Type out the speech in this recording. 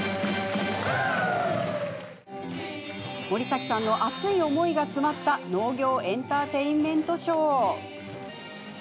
森崎さんの熱い思いが詰まった農業エンターテインメントショー。